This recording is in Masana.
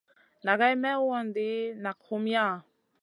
Nʼagai mey wondi nak humiya?